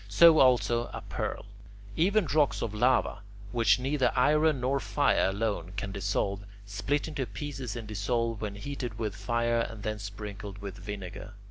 So, also, a pearl. Even rocks of lava, which neither iron nor fire alone can dissolve, split into pieces and dissolve when heated with fire and then sprinkled with vinegar.